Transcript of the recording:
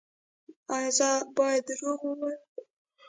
ایا زه باید دروغ ووایم؟